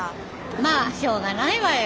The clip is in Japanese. まあしょうがないわよ。